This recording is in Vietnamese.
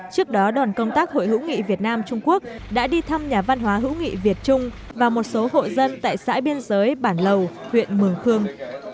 trước đó đoàn công tác hội hữu nghị việt nam trung quốc đã đi thăm nhà văn hóa hữu nghị việt trung và một số hộ dân tại xã biên giới bản lầu huyện mường khương